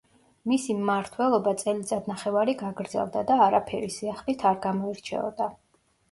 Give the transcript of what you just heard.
მისი მართველობა წელიწადნახევარი გაგრძელდა და არაფერი სიახლით არ გამოირჩეოდა.